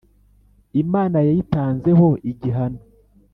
Imana yayitanze ho igihano